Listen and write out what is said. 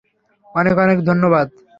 অনেক অনেক ধন্যবাদ।